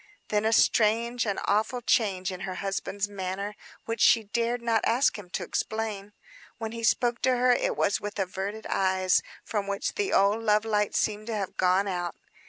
Then a strange, an awful change in her husband's manner, which she dared not ask him to explain. When he spoke to her, it was with averted eyes, from which the old love light seemed to have gone out.